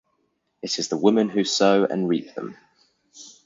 It is the women who sow and reap them.